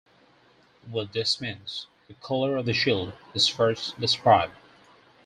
What this means: The colour of the shield is first described.